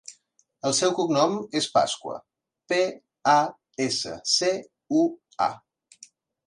El seu cognom és Pascua: pe, a, essa, ce, u, a.